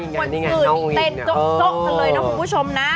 เต้นเจาะเจาะกันเลยนะคุณผู้ชมนะ